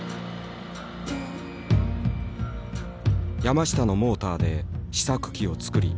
山下のモーターで試作機を作り